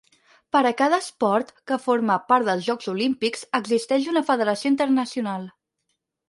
Per a cada esport que forma part dels Jocs Olímpics existeix una Federació Internacional.